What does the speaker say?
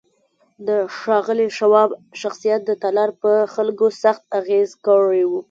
د ښاغلي شواب شخصيت د تالار پر خلکو سخت اغېز کړی و.